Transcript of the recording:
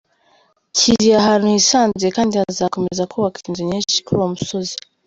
Kiri ahantu hisanzuye kandi hazakomeza kubakwa inzu nyinshi kuri uwo musozi.